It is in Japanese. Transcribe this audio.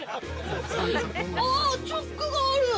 ◆ああ、チャックがある！